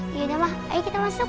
yaudah ma ayo kita masuk